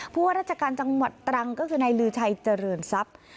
ว่าราชการจังหวัดตรังก็คือนายลือชัยเจริญทรัพย์